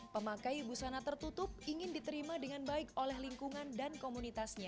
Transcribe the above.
pemakai busana tertutup ingin diterima dengan baik oleh lingkungan dan komunitasnya